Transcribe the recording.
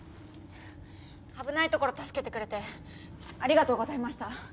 危ないところ助けてくれてありがとうございました。